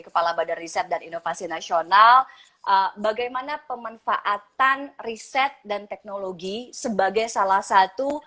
kepala badan riset dan inovasi nasional bagaimana pemanfaatan riset dan teknologi sebagai salah satu